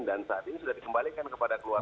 dan saat ini sudah dikembalikan kepada keluarga